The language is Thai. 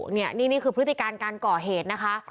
นี่นี่คือพฤติการการก่อเหตุนะคะ